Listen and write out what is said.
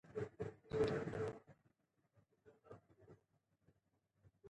ښه اخلاق ولرو.